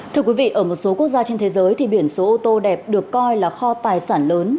thưa quý vị ở một số quốc gia trên thế giới thì biển số ô tô đẹp được coi là kho tài sản lớn